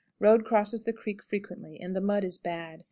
Road crosses the creek frequently, and the mud is bad.